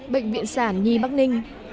bệnh viện sản nhi bắc ninh